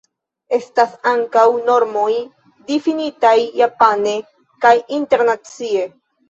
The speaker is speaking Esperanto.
Estas ankaŭ normoj difinitaj japane kaj internacie.